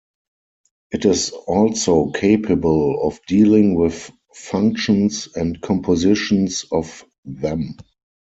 It is also capable of dealing with functions and compositions of them.